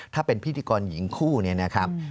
ถ้าเป็นพิธีกรหญิงคู่เนี่ยนะครับ